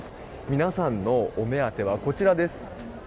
皆さんのお目当てはこちらです。